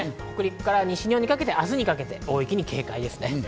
北陸から西日本にかけて明日にかけて大雪に警戒ですね。